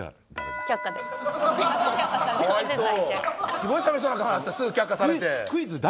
すごい寂しそうな顔になったすぐ却下されて。